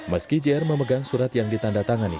meski jr memegang surat yang ditanda tangani